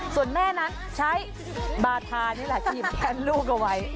ส่วนแม่นั้นใช้บาธานี่แหละที่แคมลูกเอาไว้